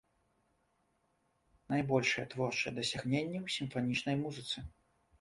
Найбольшыя творчыя дасягненні ў сімфанічнай музыцы.